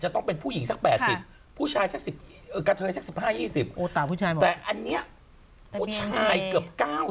ต้องเป็นผู้หญิงสัก๘๐ผู้ชายสักกระเทยสัก๑๕๒๐แต่อันนี้ผู้ชายเกือบ๙๐